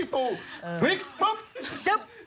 พลิกปุ๊บ